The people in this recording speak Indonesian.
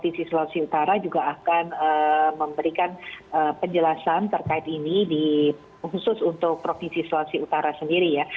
provinsi sulawesi utara juga akan memberikan penjelasan terkait ini khusus untuk provinsi sulawesi utara sendiri ya